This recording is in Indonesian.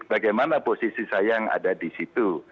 bagaimana posisi saya yang ada di situ